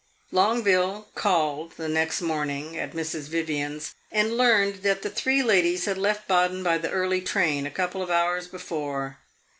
Longueville called the next morning at Mrs. Vivian's, and learned that the three ladies had left Baden by the early train, a couple of hours before.